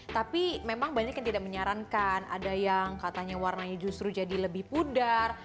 tapi memang banyak yang tidak menyarankan ada yang katanya warnanya justru jadi lebih pudar